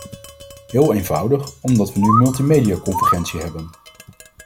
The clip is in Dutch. Heel eenvoudig omdat we nu multimediaconvergentie hebben.